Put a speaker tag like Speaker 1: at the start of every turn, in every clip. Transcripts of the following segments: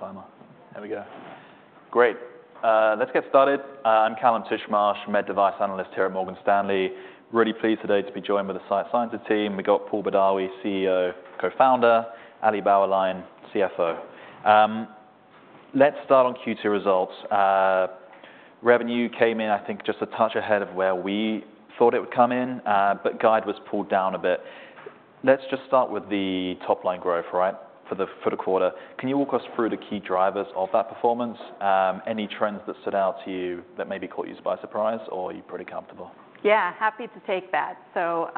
Speaker 1: The timer. There we go. Great, let's get started. I'm Calum Titchmarsh, Med Device Analyst here at Morgan Stanley. Really pleased today to be joined by the Sight Sciences team. We've got Paul Badawi, CEO, Co-founder, Ali Bauerlein, CFO. Let's start on Q2 results. Revenue came in, I think, just a touch ahead of where we thought it would come in, but guide was pulled down a bit. Let's just start with the top-line growth, right? For the—for the quarter. Can you walk us through the key drivers of that performance? Any trends that stood out to you, that maybe caught you by surprise, or are you pretty comfortable?
Speaker 2: Yeah, happy to take that. So,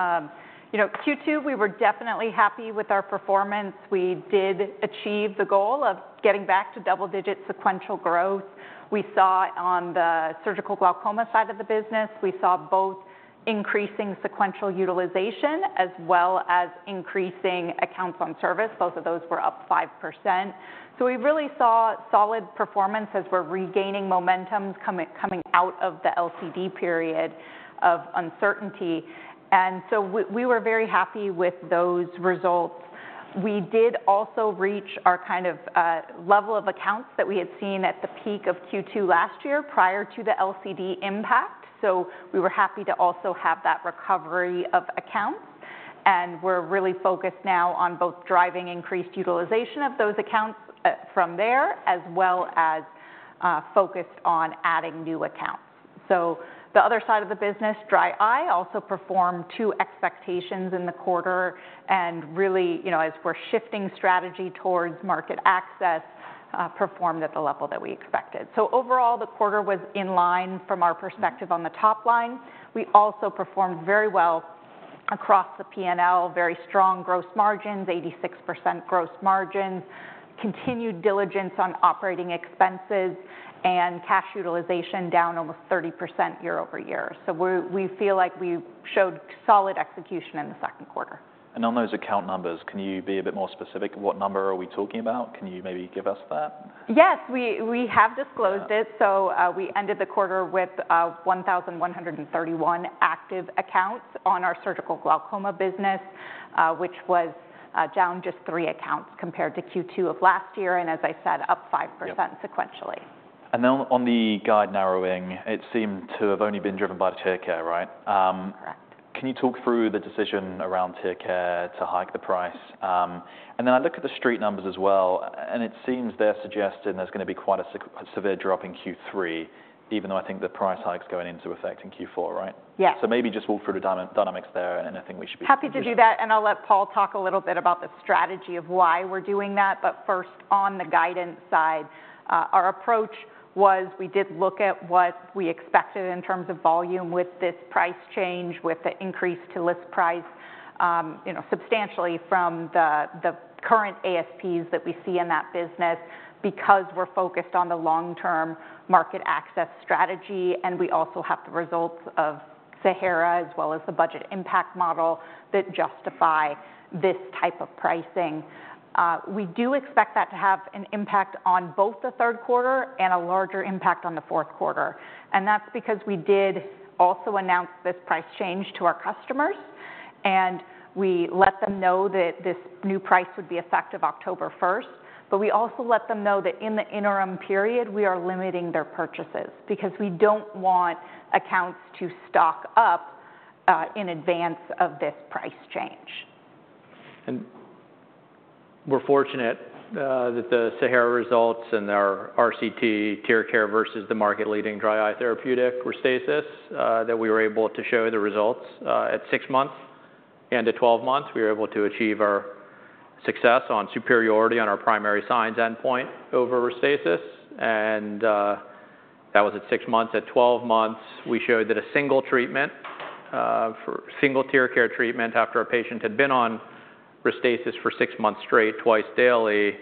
Speaker 2: you know, Q2, we were definitely happy with our performance. We did achieve the goal of getting back to double-digit sequential growth. We saw on the surgical glaucoma side of the business, we saw both increasing sequential utilization as well as increasing accounts on service. Both of those were up 5%. So we really saw solid performance as we're regaining momentum, coming out of the LCD period of uncertainty, and so we were very happy with those results. We did also reach our kind of level of accounts that we had seen at the peak of Q2 last year, prior to the LCD impact, so we were happy to also have that recovery of accounts. And we're really focused now on both driving increased utilization of those accounts, from there, as well as focused on adding new accounts. So the other side of the business, dry eye, also performed to expectations in the quarter, and really, you know, as we're shifting strategy towards market access, performed at the level that we expected. So overall, the quarter was in line from our perspective on the top line. We also performed very well across the P&L, very strong gross margins, 86% gross margins, continued diligence on operating expenses, and cash utilization down over 30% year-over-year. So we feel like we showed solid execution in the second quarter.
Speaker 1: On those account numbers, can you be a bit more specific? What number are we talking about? Can you maybe give us that?
Speaker 2: Yes, we have disclosed it.
Speaker 1: Yeah.
Speaker 2: We ended the quarter with 1,131 active accounts on our surgical glaucoma business, which was down just three accounts compared to Q2 of last year, and as I said, up 5%.
Speaker 1: Yep
Speaker 2: Sequentially.
Speaker 1: And then on the guide narrowing, it seemed to have only been driven by the tear care, right?
Speaker 2: Correct.
Speaker 1: Can you talk through the decision around TearCare to hike the price? And then I look at the Street numbers as well, and it seems they're suggesting there's gonna be quite a severe drop in Q3, even though I think the price hike is going into effect in Q4, right?
Speaker 2: Yeah.
Speaker 1: So maybe just walk through the dynamics there, and anything we should be looking at.
Speaker 2: Happy to do that, and I'll let Paul talk a little bit about the strategy of why we're doing that. But first, on the guidance side, our approach was, we did look at what we expected in terms of volume with this price change, with the increase to list price, you know, substantially from the current ASPs that we see in that business, because we're focused on the long-term market access strategy, and we also have the results of SAHARA, as well as the budget impact model, that justify this type of pricing. We do expect that to have an impact on both the third quarter and a larger impact on the fourth quarter. That's because we did also announce this price change to our customers, and we let them know that this new price would be effective October first. But we also let them know that in the interim period, we are limiting their purchases, because we don't want accounts to stock up, in advance of this price change.
Speaker 3: We're fortunate that the SAHARA results and our RCT, TearCare, versus the market-leading dry eye therapeutic Restasis that we were able to show the results at six months and to 12 months. We were able to achieve our success on superiority on our primary signs endpoint over Restasis, and that was at six months. At 12 months, we showed that a single treatment, single TearCare treatment after a patient had been on Restasis for six months straight, twice daily,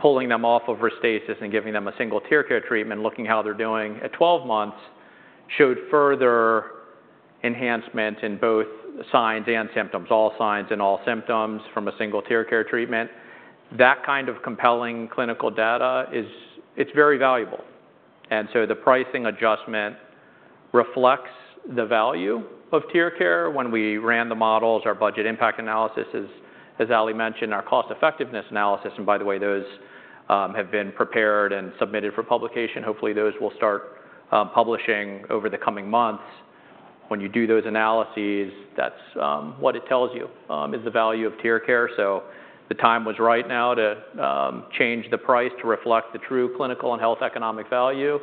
Speaker 3: pulling them off of Restasis and giving them a single TearCare treatment, looking how they're doing at 12 months, showed further enhancement in both signs and symptoms, all signs and all symptoms from a single TearCare treatment. That kind of compelling clinical data is. It's very valuable, and so the pricing adjustment reflects the value of TearCare. When we ran the models, our budget impact analysis, as Ali mentioned, our cost effectiveness analysis, and by the way, those have been prepared and submitted for publication. Hopefully, those will start publishing over the coming months. When you do those analyses, that's what it tells you is the value of TearCare. So the time was right now to change the price to reflect the true clinical and health economic value,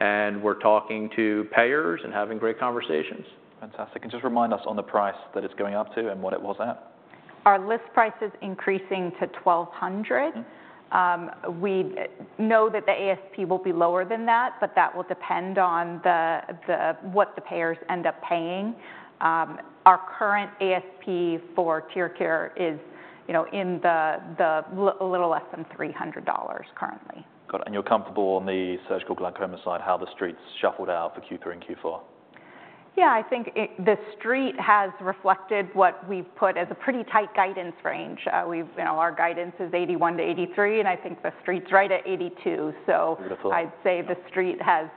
Speaker 3: and we're talking to payers and having great conversations.
Speaker 1: Fantastic. Just remind us on the price that it's going up to and what it was at.
Speaker 2: Our list price is increasing to $1,200.
Speaker 1: Mm-hmm.
Speaker 2: We know that the ASP will be lower than that, but that will depend on what the payers end up paying. Our current ASP for TearCare is, you know, a little less than $300 currently.
Speaker 1: Got it. And you're comfortable on the surgical glaucoma side, how the Street's shuffled out for Q3 and Q4?
Speaker 2: Yeah, I think the Street has reflected what we've put as a pretty tight guidance range. You know, our guidance is $81-$83, and I think the Street's right at $82.
Speaker 1: Beautiful.
Speaker 2: So I'd say the Street has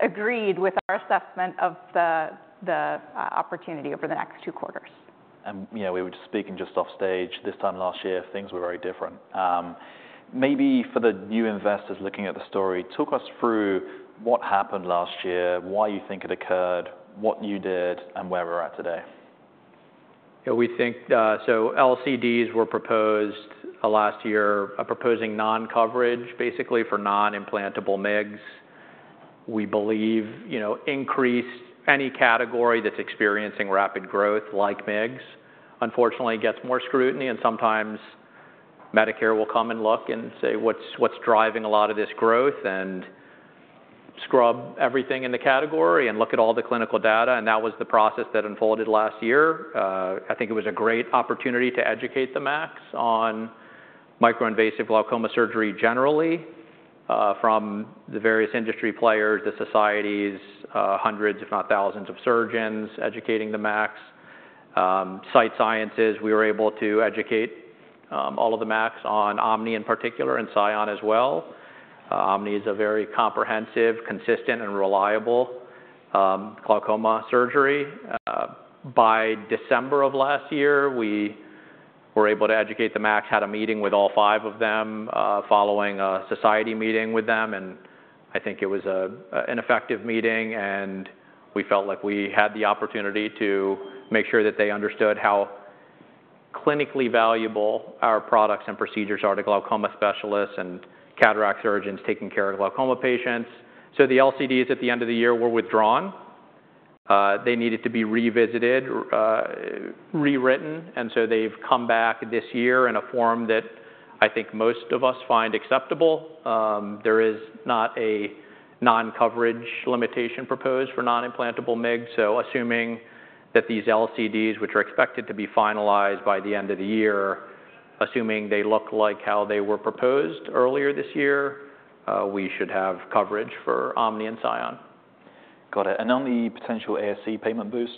Speaker 2: agreed with our assessment of the opportunity over the next two quarters.
Speaker 1: And, you know, we were just speaking just off stage, this time last year, things were very different. Maybe for the new investors looking at the story, talk us through what happened last year, why you think it occurred, what you did, and where we're at today.
Speaker 3: Yeah, we think. So LCDs were proposed last year, proposing non-coverage, basically, for non-implantable MIGS. We believe, you know, increase any category that's experiencing rapid growth, like MIGS, unfortunately, gets more scrutiny, and sometimes Medicare will come and look and say, "What's driving a lot of this growth?" And scrub everything in the category and look at all the clinical data, and that was the process that unfolded last year. I think it was a great opportunity to educate the MACs on micro-invasive glaucoma surgery generally, from the various industry players, the societies, hundreds, if not thousands, of surgeons educating the MACs. Sight Sciences, we were able to educate all of the MACs on OMNI, in particular, and SION as well. OMNI is a very comprehensive, consistent and reliable glaucoma surgery. By December of last year, we were able to educate the MACs, had a meeting with all five of them, following a society meeting with them, and I think it was an effective meeting, and we felt like we had the opportunity to make sure that they understood how clinically valuable our products and procedures are to glaucoma specialists and cataract surgeons taking care of glaucoma patients. So the LCDs at the end of the year were withdrawn. They needed to be revisited, rewritten, and so they've come back this year in a form that I think most of us find acceptable. There is not a non-coverage limitation proposed for non-implantable MIGS, so assuming that these LCDs, which are expected to be finalized by the end of the year, assuming they look like how they were proposed earlier this year, we should have coverage for OMNI and SION.
Speaker 1: Got it. And on the potential ASC payment boost,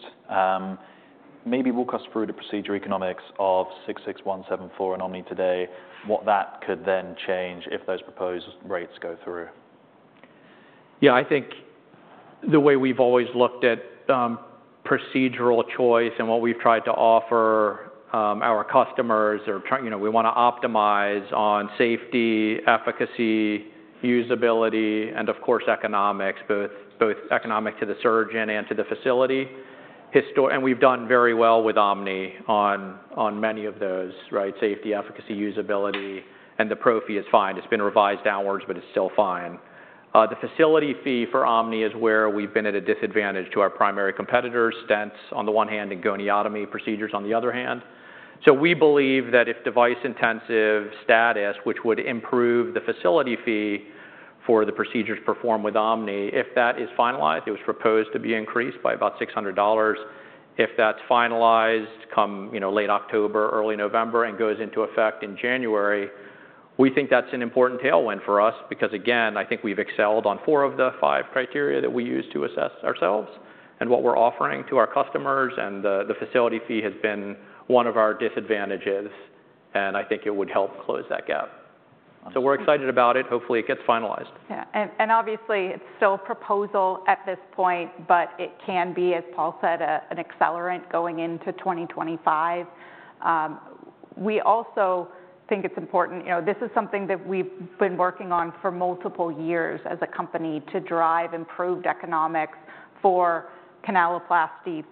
Speaker 1: maybe walk us through the procedure economics of 66174 in OMNI today, what that could then change if those proposed rates go through.
Speaker 3: Yeah, I think the way we've always looked at procedural choice and what we've tried to offer our customers. You know, we wanna optimize on safety, efficacy, usability, and of course, economics, both economic to the surgeon and to the facility. And we've done very well with OMNI on many of those, right? Safety, efficacy, usability, and the pro fee is fine. It's been revised downwards, but it's still fine. The facility fee for OMNI is where we've been at a disadvantage to our primary competitors, stents on the one hand, and goniotomy procedures on the other hand. So we believe that if device-intensive status, which would improve the facility fee for the procedures performed with OMNI, if that is finalized, it was proposed to be increased by about $600. If that's finalized, comes, you know, late October, early November, and goes into effect in January, we think that's an important tailwind for us. Because, again, I think we've excelled on four of the five criteria that we use to assess ourselves and what we're offering to our customers, and the facility fee has been one of our disadvantages, and I think it would help close that gap. So we're excited about it. Hopefully, it gets finalized.
Speaker 2: Yeah, and obviously, it's still a proposal at this point, but it can be, as Paul said, an accelerant going into 2025. We also think it's important. You know, this is something that we've been working on for multiple years as a company, to drive improved economics for canaloplasty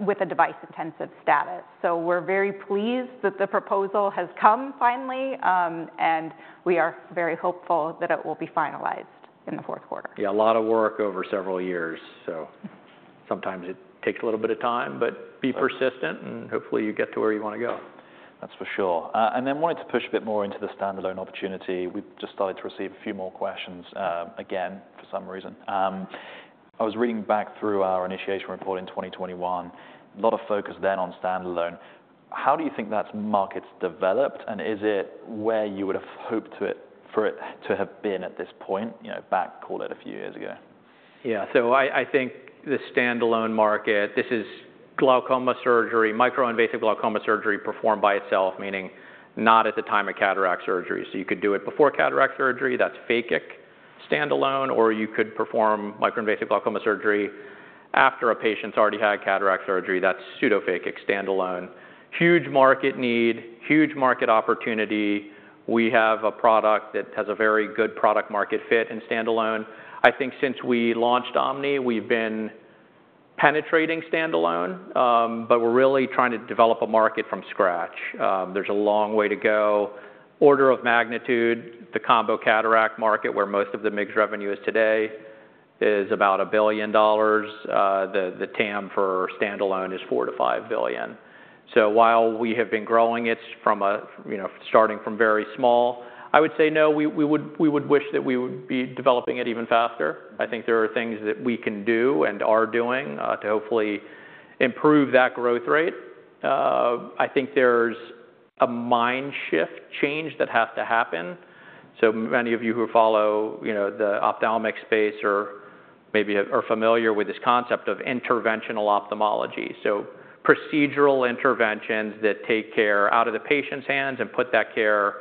Speaker 2: with a device-intensive status. So we're very pleased that the proposal has come finally, and we are very hopeful that it will be finalized in the fourth quarter.
Speaker 3: Yeah, a lot of work over several years. Sometimes it takes a little bit of time, but be persistent, and hopefully, you get to where you wanna go.
Speaker 1: That's for sure. And then wanted to push a bit more into the standalone opportunity. We've just started to receive a few more questions, again, for some reason. I was reading back through our initiation report in twenty twenty-one, a lot of focus then on standalone. How do you think that market has developed, and is it where you would have hoped it for it to have been at this point, you know, back, call it, a few years ago?
Speaker 3: Yeah. So I think the standalone market, this is glaucoma surgery, micro-invasive glaucoma surgery performed by itself, meaning not at the time of cataract surgery. So you could do it before cataract surgery, that's phakic standalone, or you could perform micro-invasive glaucoma surgery after a patient's already had cataract surgery, that's pseudophakic standalone. Huge market need, huge market opportunity. We have a product that has a very good product-market fit in standalone. I think since we launched OMNI, we've been penetrating standalone, but we're really trying to develop a market from scratch. There's a long way to go. Order of magnitude, the combo cataract market, where most of the MIGS revenue is today, is about $1 billion. The TAM for standalone is $4-$5 billion. So while we have been growing it from a, you know, starting from very small, I would say no, we would wish that we would be developing it even faster. I think there are things that we can do and are doing to hopefully improve that growth rate. I think there's a mind shift change that has to happen. Many of you who follow, you know, the ophthalmic space or maybe are familiar with this concept of interventional ophthalmology. Procedural interventions that take care out of the patient's hands and put that care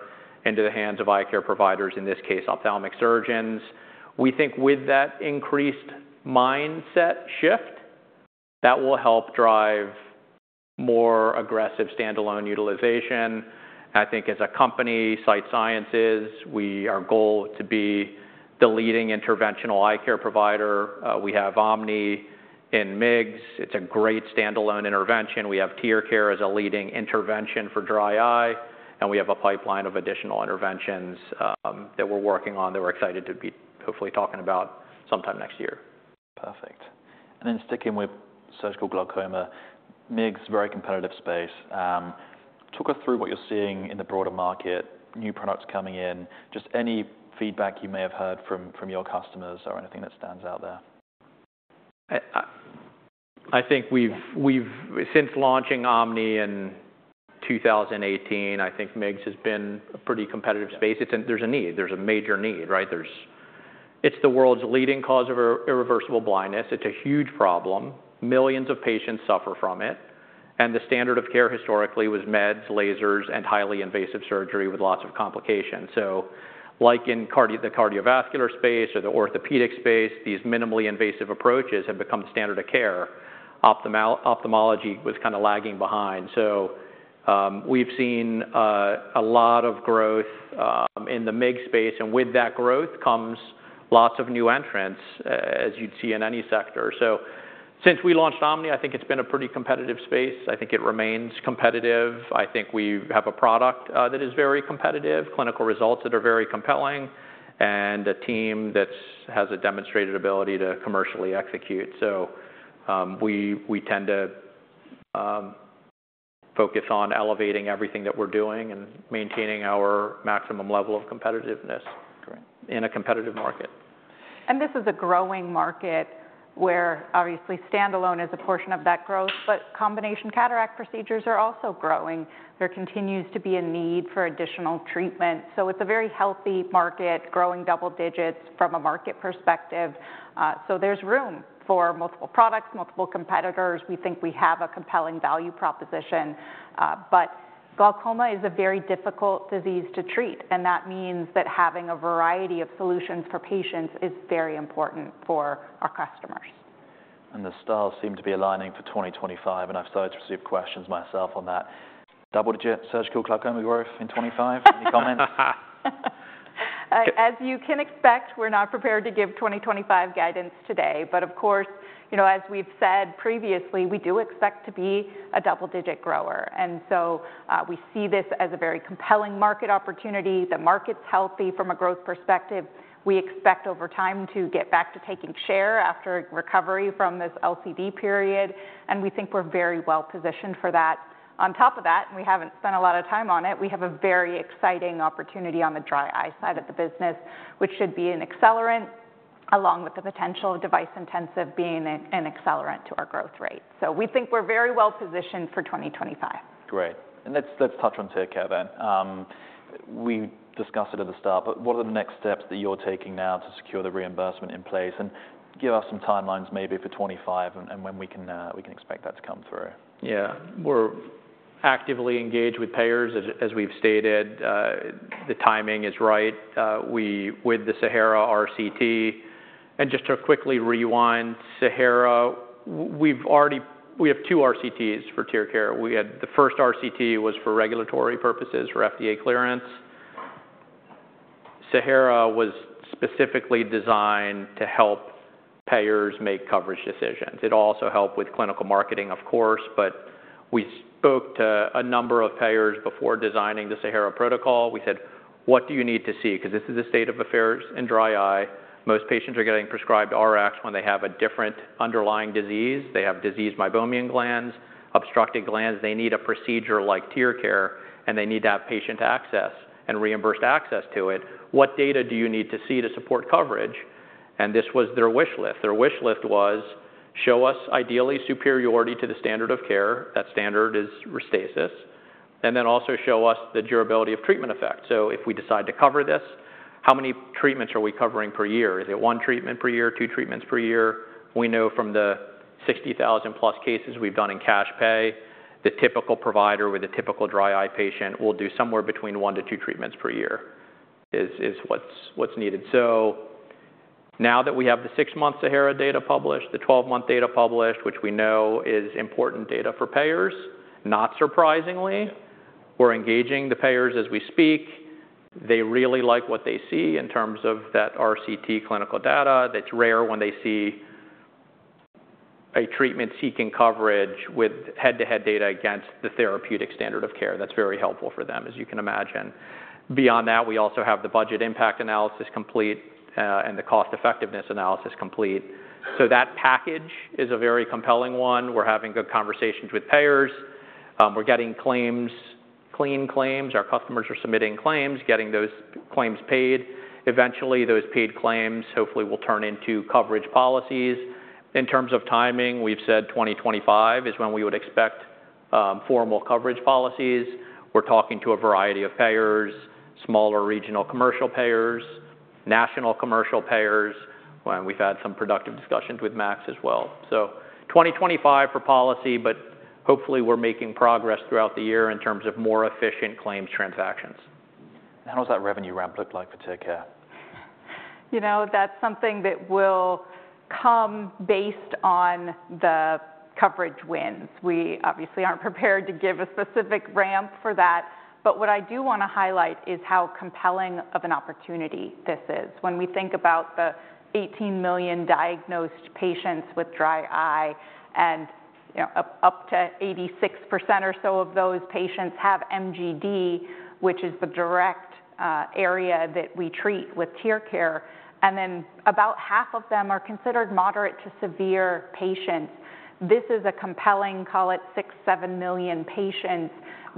Speaker 3: into the hands of eye care providers, in this case, ophthalmic surgeons. We think with that increased mindset shift. That will help drive more aggressive standalone utilization. I think as a company, Sight Sciences, we our goal to be the leading interventional eye care provider. We have OMNI in MIGS. It's a great standalone intervention. We have TearCare as a leading intervention for dry eye, and we have a pipeline of additional interventions, that we're working on, that we're excited to be hopefully talking about sometime next year.
Speaker 1: Perfect. And then sticking with surgical glaucoma, MIGS, very competitive space. Talk us through what you're seeing in the broader market, new products coming in, just any feedback you may have heard from your customers or anything that stands out there.
Speaker 3: I think we've since launching OMNI in 2018, I think MIGS has been a pretty competitive space. It's. There's a need. There's a major need, right? It's the world's leading cause of irreversible blindness. It's a huge problem. Millions of patients suffer from it, and the standard of care historically was meds, lasers, and highly invasive surgery with lots of complications. So like in the cardiovascular space or the orthopedic space, these minimally invasive approaches have become standard of care. Ophthalmology was kind of lagging behind. So, we've seen a lot of growth in the MIGS space, and with that growth comes lots of new entrants, as you'd see in any sector. So since we launched OMNI, I think it's been a pretty competitive space. I think it remains competitive. I think we have a product that is very competitive, clinical results that are very compelling, and a team that's has a demonstrated ability to commercially execute. So, we tend to focus on elevating everything that we're doing and maintaining our maximum level of competitiveness.
Speaker 1: Great
Speaker 3: In a competitive market.
Speaker 2: This is a growing market where obviously standalone is a portion of that growth, but combination cataract procedures are also growing. There continues to be a need for additional treatment, so it's a very healthy market, growing double digits from a market perspective. So there's room for multiple products, multiple competitors. We think we have a compelling value proposition, but glaucoma is a very difficult disease to treat, and that means that having a variety of solutions for patients is very important for our customers.
Speaker 1: The stars seem to be aligning for 2025, and I've started to receive questions myself on that. Double-digit surgical glaucoma growth in 2025? Any comments?
Speaker 2: As you can expect, we're not prepared to give 2025 guidance today, but of course, you know, as we've said previously, we do expect to be a double-digit grower, and so we see this as a very compelling market opportunity. The market's healthy from a growth perspective. We expect over time to get back to taking share after recovery from this LCD period, and we think we're very well positioned for that. On top of that, and we haven't spent a lot of time on it, we have a very exciting opportunity on the dry eye side of the business, which should be an accelerant, along with the potential of device-intensive being an accelerant to our growth rate, so we think we're very well positioned for 2025.
Speaker 1: Great. And let's touch on TearCare then. We discussed it at the start, but what are the next steps that you're taking now to secure the reimbursement in place? And give us some timelines maybe for twenty twenty-five and when we can expect that to come through.
Speaker 3: Yeah. We're actively engaged with payers, as we've stated. The timing is right. We with the SAHARA RCT, and just to quickly rewind SAHARA, we've already. We have two RCTs for TearCare. We had the first RCT was for regulatory purposes, for FDA clearance. SAHARA was specifically designed to help payers make coverage decisions. It also helped with clinical marketing, of course, but we spoke to a number of payers before designing the SAHARA protocol. We said: What do you need to see? Because this is a state of affairs in dry eye. Most patients are getting prescribed Rx when they have a different underlying disease. They have disease meibomian glands, obstructed glands. They need a procedure like TearCare, and they need to have patient access and reimbursed access to it. What data do you need to see to support coverage? This was their wish list. Their wish list was, show us ideally superiority to the standard of care. That standard is Restasis, and then also show us the durability of treatment effect. So if we decide to cover this, how many treatments are we covering per year? Is it one treatment per year, two treatments per year? We know from the 60,000-plus cases we've done in cash pay, the typical provider with a typical dry eye patient will do somewhere between one to two treatments per year, which is what's needed. So now that we have the 6-month SAHARA data published, the 12-month data published, which we know is important data for payers, not surprisingly, we're engaging the payers as we speak. They really like what they see in terms of that RCT clinical data. That's rare when they see a treatment seeking coverage with head-to-head data against the therapeutic standard of care. That's very helpful for them, as you can imagine. Beyond that, we also have the budget impact analysis complete, and the cost effectiveness analysis complete. So that package is a very compelling one. We're having good conversations with payers. We're getting claims, clean claims. Our customers are submitting claims, getting those claims paid. Eventually, those paid claims hopefully will turn into coverage policies. In terms of timing, we've said 2025 is when we would expect formal coverage policies. We're talking to a variety of payers, smaller regional commercial payers, national commercial payers, and we've had some productive discussions with MACs as well. So 2025 for policy, but hopefully we're making progress throughout the year in terms of more efficient claims transactions.
Speaker 1: How does that revenue ramp look like for TearCare?
Speaker 2: You know, that's something that will come based on the coverage wins. We obviously aren't prepared to give a specific ramp for that, but what I do want to highlight is how compelling of an opportunity this is. When we think about the eighteen million diagnosed patients with dry eye, and, you know, up to 86% or so of those patients have MGD, which is the direct area that we treat with TearCare, and then about half of them are considered moderate to severe patients. This is a compelling, call it six-seven million patients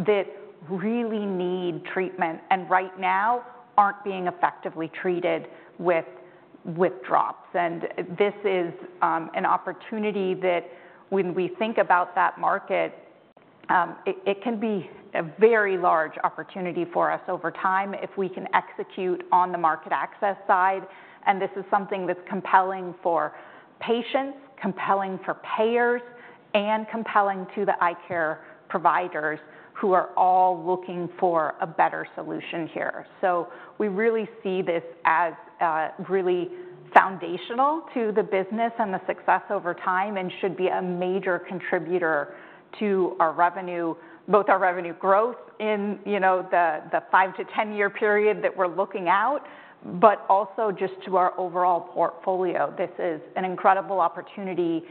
Speaker 2: that really need treatment, and right now, aren't being effectively treated with drops. And this is an opportunity that when we think about that market, it can be a very large opportunity for us over time if we can execute on the market access side. And this is something that's compelling for patients, compelling for payers, and compelling to the eye care providers, who are all looking for a better solution here. So we really see this as really foundational to the business and the success over time, and should be a major contributor to our revenue, both our revenue growth in, you know, the, the five to 10-year period that we're looking out, but also just to our overall portfolio. This is an incredible opportunity,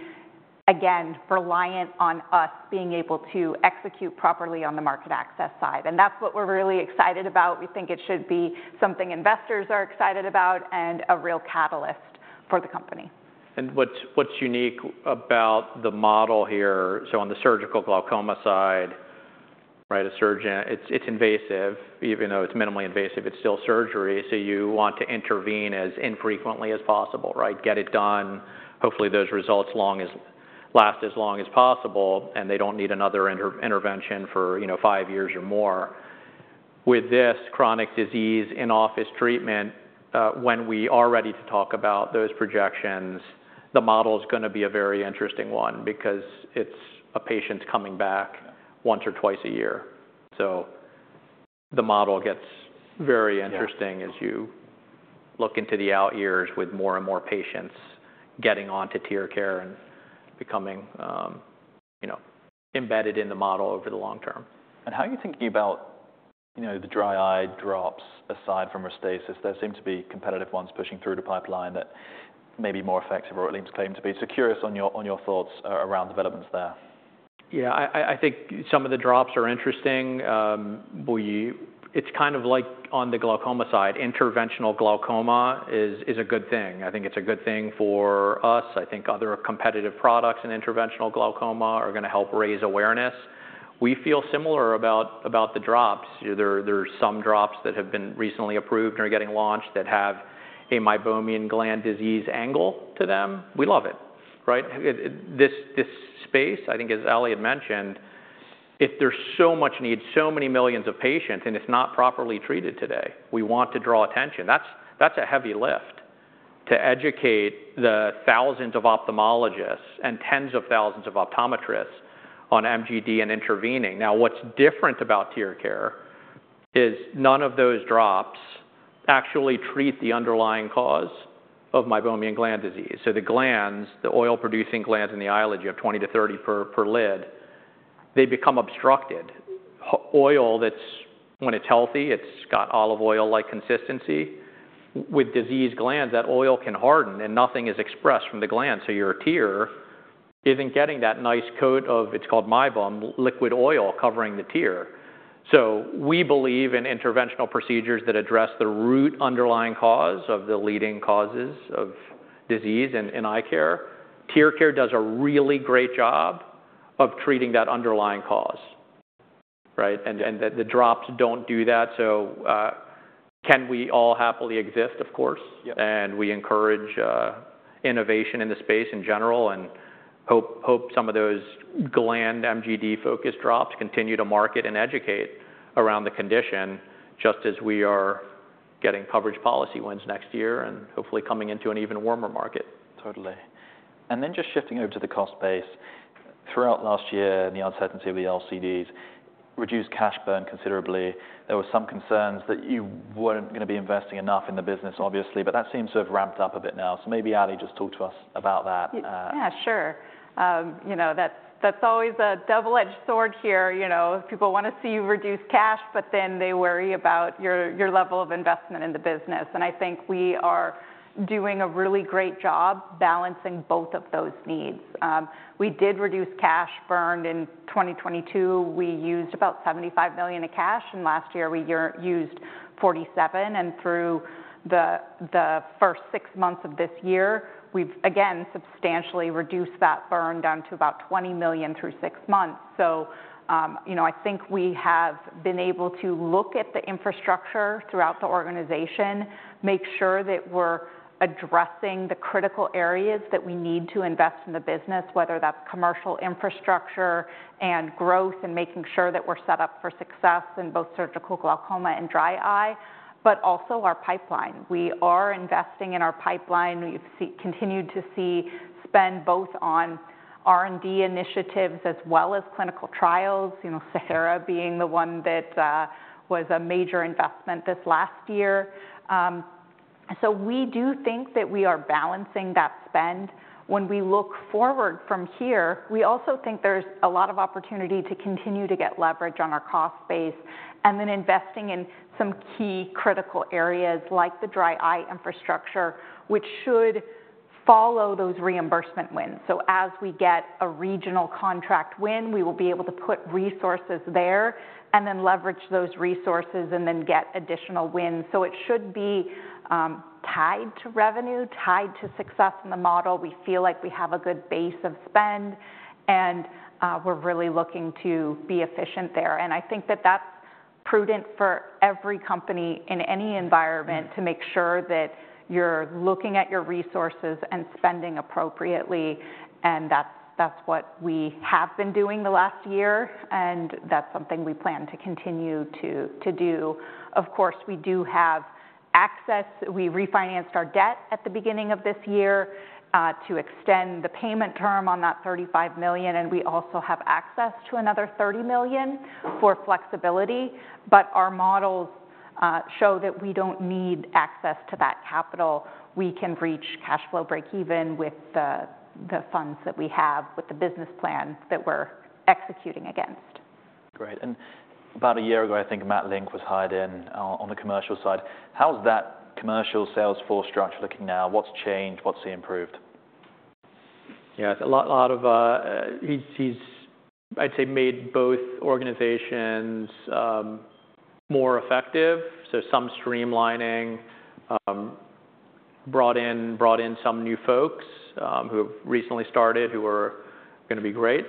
Speaker 2: again, reliant on us being able to execute properly on the market access side, and that's what we're really excited about. We think it should be something investors are excited about and a real catalyst for the company.
Speaker 3: What's unique about the model here? On the surgical glaucoma side, right, a surgeon. It's invasive. Even though it's minimally invasive, it's still surgery, so you want to intervene as infrequently as possible, right? Get it done. Hopefully, those results last as long as possible, and they don't need another intervention for, you know, five years or more. With this chronic disease in-office treatment, when we are ready to talk about those projections, the model is gonna be a very interesting one because it's a patient coming back once or twice a year. The model gets very interesting.
Speaker 1: Yeah.
Speaker 3: As you look into the out years with more and more patients getting onto TearCare and becoming, you know, embedded in the model over the long term.
Speaker 1: How are you thinking about, you know, the dry eye drops aside from Restasis? There seem to be competitive ones pushing through the pipeline that may be more effective, or at least claim to be. So curious on your thoughts around developments there.
Speaker 3: Yeah, I think some of the drops are interesting. We, it's kind of like on the glaucoma side. Interventional glaucoma is a good thing. I think it's a good thing for us. I think other competitive products in interventional glaucoma are gonna help raise awareness. We feel similar about the drops. There are some drops that have been recently approved or are getting launched that have a meibomian gland disease angle to them. We love it, right? This space, I think, as Ali had mentioned, if there's so much need, so many millions of patients, and it's not properly treated today, we want to draw attention. That's a heavy lift to educate the thousands of ophthalmologists and tens of thousands of optometrists on MGD and intervening. Now, what's different about TearCare is none of those drops actually treat the underlying cause of meibomian gland disease. So the glands, the oil-producing glands in the eyelid, you have 20 to 30 per lid, they become obstructed. Oil, that's... When it's healthy, it's got olive oil-like consistency. With diseased glands, that oil can harden, and nothing is expressed from the gland. So your tear isn't getting that nice coat of, it's called meibum, liquid oil covering the tear. So we believe in interventional procedures that address the root underlying cause of the leading causes of disease in eye care. TearCare does a really great job of treating that underlying cause, right? And the drops don't do that, so can we all happily exist? Of course.
Speaker 1: Yeah.
Speaker 3: We encourage innovation in the space in general and hope some of those gland MGD-focused drops continue to market and educate around the condition, just as we are getting coverage policy wins next year and hopefully coming into an even warmer market.
Speaker 1: Totally. And then just shifting over to the cost base. Throughout last year, the uncertainty of the LCDs reduced cash burn considerably. There were some concerns that you weren't gonna be investing enough in the business, obviously, but that seems to have ramped up a bit now. So maybe, Ali, just talk to us about that.
Speaker 2: Yeah, sure. You know, that's always a double-edged sword here. You know, people want to see you reduce cash, but then they worry about your level of investment in the business. And I think we are doing a really great job balancing both of those needs. We did reduce cash burn in twenty twenty-two. We used about $75 million in cash, and last year we used $47 million, and through the first six months of this year, we've again substantially reduced that burn down to about $20 million through six months. So, you know, I think we have been able to look at the infrastructure throughout the organization, make sure that we're addressing the critical areas that we need to invest in the business, whether that's commercial infrastructure and growth, and making sure that we're set up for success in both surgical glaucoma and dry eye, but also our pipeline. We are investing in our pipeline. We've continued to see spend both on R&D initiatives as well as clinical trials, you know, SAHARA being the one that was a major investment this last year, so we do think that we are balancing that spend. When we look forward from here, we also think there's a lot of opportunity to continue to get leverage on our cost base, and then investing in some key critical areas like the dry eye infrastructure, which should follow those reimbursement wins. So as we get a regional contract win, we will be able to put resources there and then leverage those resources and then get additional wins. So it should be tied to revenue, tied to success in the model. We feel like we have a good base of spend, and we're really looking to be efficient there. And I think that that's prudent for every company in any environment-
Speaker 1: Mm-hmm.
Speaker 2: To make sure that you're looking at your resources and spending appropriately, and that's what we have been doing the last year, and that's something we plan to continue to do. Of course, we do have access. We refinanced our debt at the beginning of this year to extend the payment term on that $35 million, and we also have access to another $30 million for flexibility. But our models show that we don't need access to that capital. We can reach cash flow breakeven with the funds that we have, with the business plan that we're executing against.
Speaker 1: Great. And about a year ago, I think Matt Link was hired in on the commercial side. How's that commercial sales force structure looking now? What's changed? What's he improved?
Speaker 3: Yeah, it's a lot of. He's, I'd say, made both organizations more effective, so some streamlining, brought in some new folks who have recently started, who are going to be great.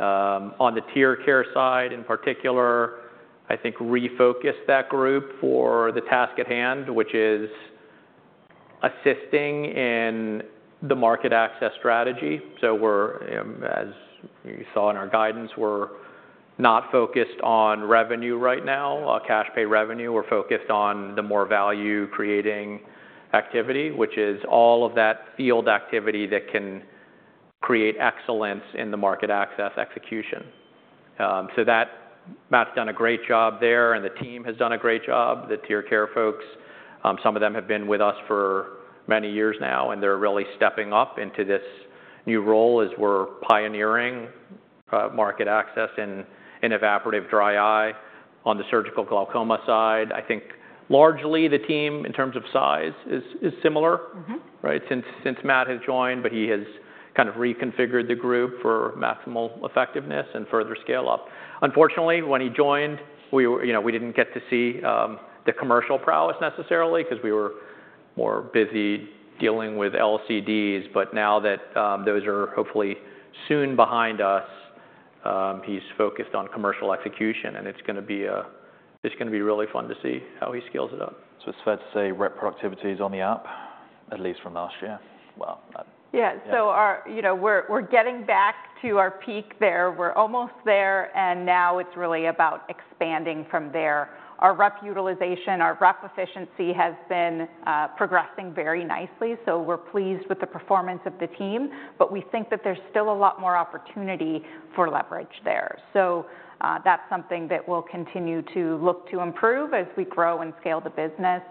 Speaker 3: On the TearCare side, in particular, I think refocused that group for the task at hand, which is assisting in the market access strategy. So we're, as you saw in our guidance, we're not focused on revenue right now, cash pay revenue. We're focused on the more value-creating activity, which is all of that field activity that can create excellence in the market access execution. So Matt's done a great job there, and the team has done a great job, the TearCare folks. Some of them have been with us for many years now, and they're really stepping up into this new role as we're pioneering market access in evaporative dry eye. On the surgical glaucoma side, I think largely the team, in terms of size, is similar-
Speaker 2: Mm-hmm
Speaker 3: Right, since Matt has joined, but he has kind of reconfigured the group for maximal effectiveness and further scale up. Unfortunately, when he joined, we were, you know, we didn't get to see the commercial prowess necessarily because we were more busy dealing with LCDs. But now that those are hopefully soon behind us, he's focused on commercial execution, and it's going to be. It's going to be really fun to see how he scales it up.
Speaker 1: So it's fair to say rep productivity is on the up, at least from last year? Well,
Speaker 2: Yeah.
Speaker 3: Yeah.
Speaker 2: You know, we're getting back to our peak there. We're almost there, and now it's really about expanding from there. Our rep utilization, our rep efficiency has been progressing very nicely, so we're pleased with the performance of the team, but we think that there's still a lot more opportunity for leverage there. So, that's something that we'll continue to look to improve as we grow and scale the business.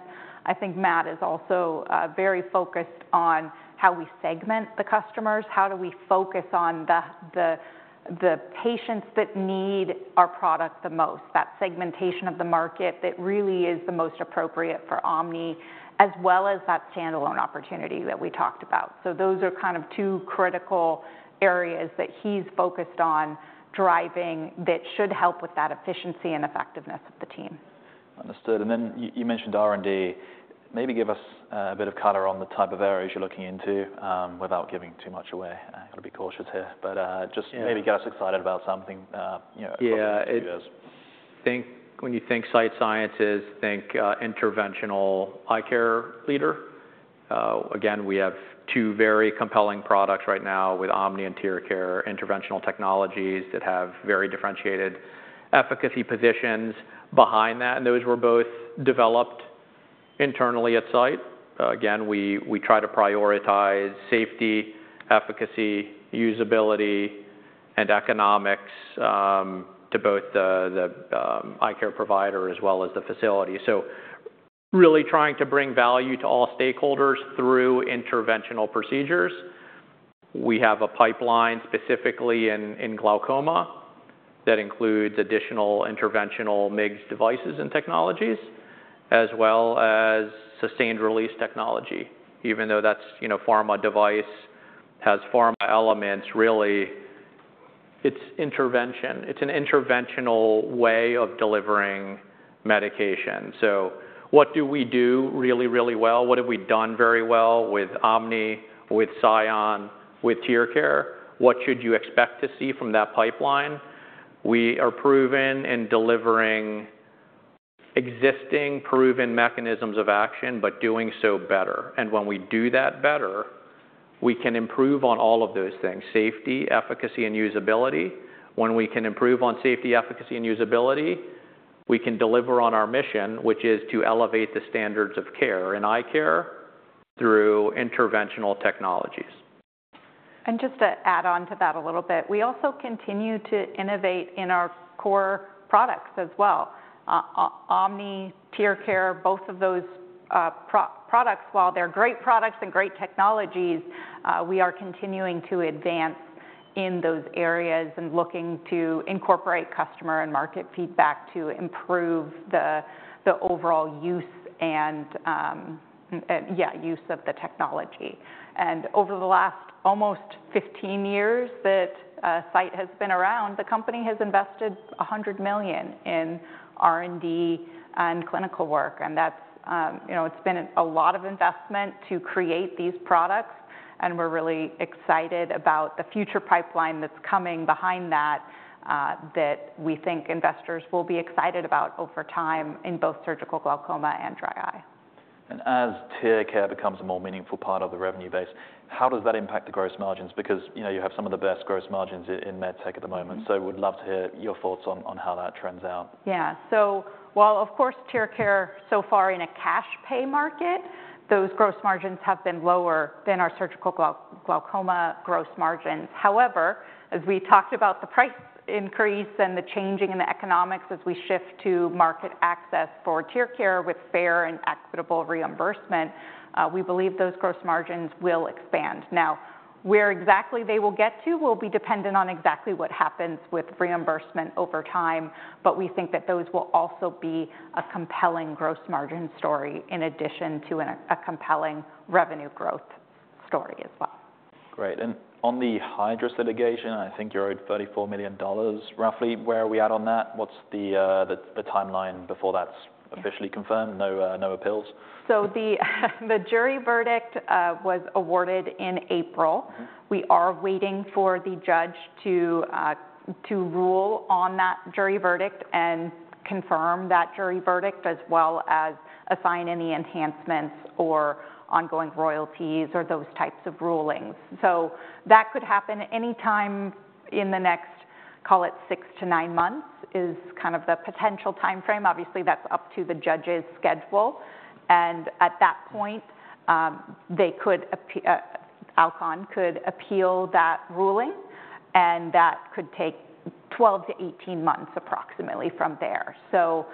Speaker 2: I think Matt is also very focused on how we segment the customers. How do we focus on the patients that need our product the most, that segmentation of the market that really is the most appropriate for OMNI, as well as that standalone opportunity that we talked about? So those are kind of two critical areas that he's focused on driving that should help with that efficiency and effectiveness of the team.
Speaker 1: Understood. And then you mentioned R&D. Maybe give us a bit of color on the type of areas you're looking into, without giving too much away. I've got to be cautious here, but.
Speaker 3: Yeah
Speaker 1: Just maybe get us excited about something, you know,
Speaker 3: Yeah.
Speaker 1: For the years.
Speaker 3: I think when you think Sight Sciences, think interventional eye care leader. Again, we have two very compelling products right now with OMNI and TearCare, interventional technologies that have very differentiated efficacy positions behind that, and those were both developed internally at Sight. Again, we try to prioritize safety, efficacy, usability, and economics to both the eye care provider as well as the facility. So really trying to bring value to all stakeholders through interventional procedures. We have a pipeline specifically in glaucoma that includes additional interventional MIGS devices and technologies, as well as sustained-release technology. Even though that's, you know, pharma device, has pharma elements, really, it's intervention. It's an interventional way of delivering medication. So what do we do really, really well? What have we done very well with OMNI, with SION, with TearCare? What should you expect to see from that pipeline? We are proven in delivering existing proven mechanisms of action but doing so better, and when we do that better, we can improve on all of those things: safety, efficacy, and usability. When we can improve on safety, efficacy, and usability, we can deliver on our mission, which is to elevate the standards of care and eye care through interventional technologies.
Speaker 2: And just to add on to that a little bit, we also continue to innovate in our core products as well. OMNI, TearCare, both of those products, while they're great products and great technologies, we are continuing to advance in those areas and looking to incorporate customer and market feedback to improve the overall use of the technology. And over the last almost fifteen years that Sight has been around, the company has invested $100 million in R&D and clinical work, and that's, you know, it's been a lot of investment to create these products, and we're really excited about the future pipeline that's coming behind that, that we think investors will be excited about over time in both surgical glaucoma and dry eye.
Speaker 1: As TearCare becomes a more meaningful part of the revenue base, how does that impact the gross margins? Because, you know, you have some of the best gross margins in med tech at the moment.
Speaker 2: Mm-hmm.
Speaker 1: We'd love to hear your thoughts on how that trends out.
Speaker 2: Yeah. So while, of course, TearCare so far in a cash pay market, those gross margins have been lower than our surgical glaucoma gross margins. However, as we talked about the price increase and the changing in the economics as we shift to market access for TearCare with fair and equitable reimbursement, we believe those gross margins will expand. Now, where exactly they will get to will be dependent on exactly what happens with reimbursement over time, but we think that those will also be a compelling gross margin story, in addition to a compelling revenue growth story as well.
Speaker 1: Great, and on the Hydrus litigation, I think you're owed $34 million roughly. Where are we at on that? What's the timeline before that's officially confirmed, no appeals?
Speaker 2: The jury verdict was awarded in April.
Speaker 1: Mm-hmm.
Speaker 2: We are waiting for the judge to rule on that jury verdict and confirm that jury verdict, as well as assign any enhancements or ongoing royalties or those types of rulings, so that could happen any time in the next, call it six to nine months, is kind of the potential timeframe. Obviously, that's up to the judge's schedule, and at that point, they could Alcon could appeal that ruling, and that could take 12 to 18 months approximately from there, so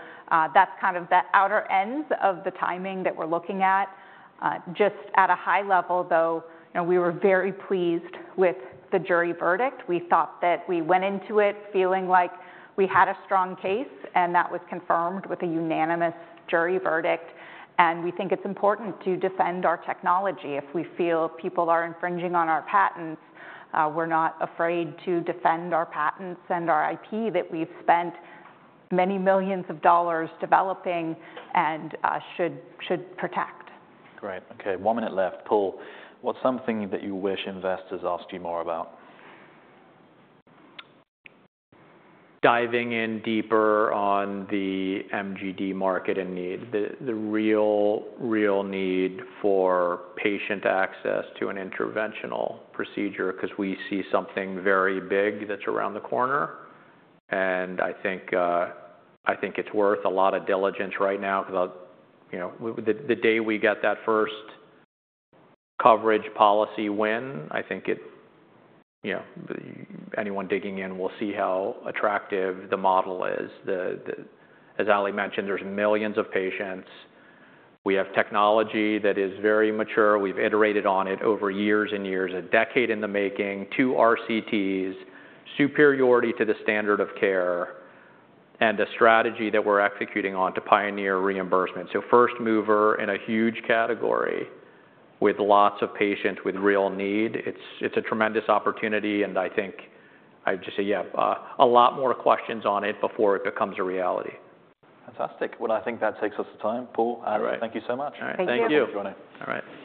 Speaker 2: that's kind of the outer ends of the timing that we're looking at. Just at a high level, though, you know, we were very pleased with the jury verdict. We thought that we went into it feeling like we had a strong case, and that was confirmed with a unanimous jury verdict, and we think it's important to defend our technology. If we feel people are infringing on our patents, we're not afraid to defend our patents and our IP that we've spent many millions of dollars developing and should protect.
Speaker 1: Great. Okay, one minute left. Paul, what's something that you wish investors asked you more about?
Speaker 3: Diving in deeper on the MGD market and need, the real need for patient access to an interventional procedure, 'cause we see something very big that's around the corner, and I think I think it's worth a lot of diligence right now, because you know, the day we get that first coverage policy win, I think it. You know, anyone digging in will see how attractive the model is. As Ali mentioned, there's millions of patients. We have technology that is very mature. We've iterated on it over years and years, a decade in the making, two RCTs, superiority to the standard of care, and a strategy that we're executing on to pioneer reimbursement. So first mover in a huge category with lots of patients with real need. It's a tremendous opportunity, and I think I'd just say, yeah, a lot more questions on it before it becomes a reality.
Speaker 1: Fantastic. Well, I think that takes us to time. Paul-
Speaker 3: All right.
Speaker 1: Thank you so much.
Speaker 3: All right, thank you.
Speaker 2: Thank you.
Speaker 1: Thanks for joining.
Speaker 3: All right.